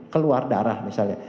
keluar darah misalnya